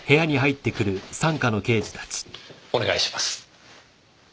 お願いします。